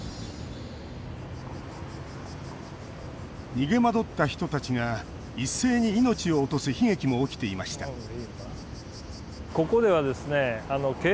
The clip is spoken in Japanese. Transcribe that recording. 逃げ惑った人たちが一斉に命を落とす悲劇も起きていました横川橋。